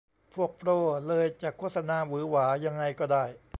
พวกโปรเลยจะโฆษณาหวือหวายังไงก็ได้